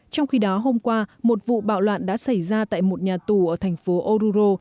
trong khi đó hôm qua một vụ bạo loạn đã xảy ra tại một nhà tù ở thành phố oruro